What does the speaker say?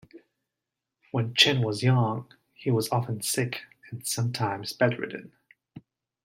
When Chen was young, he was often sick and sometimes bedridden.